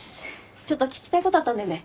ちょっと聞きたいことあったんだよね。